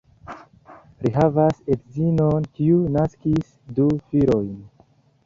Li havas edzinon, kiu naskis du filojn.